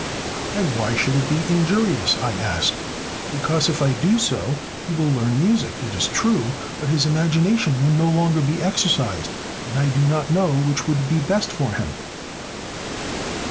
"And why should it be injurious?" I asked. "Because, if I do so, he will learn music, it is true, but his imagination will no longer be exercised, and I do not know which would be best for him."